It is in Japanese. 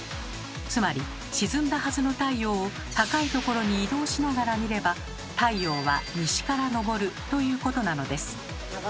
つまり沈んだはずの太陽を高いところに移動しながら見れば太陽は西から昇るということなのです。